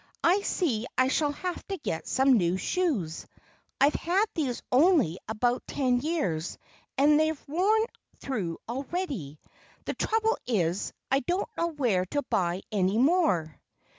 "I see I shall have to get some new shoes. I've had these only about ten years and they're worn through already. The trouble is, I don't know where to buy any more."